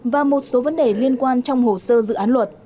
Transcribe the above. và một số vấn đề liên quan trong hồ sơ dự án luật